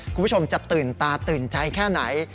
คุณผู้ชมจะตื่นตาตื่นใจแค่ไหน